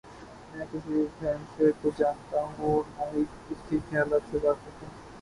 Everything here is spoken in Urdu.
میں کسی بھینسے کو جانتا ہوں اور نہ ہی اس کے خیالات سے واقف ہوں۔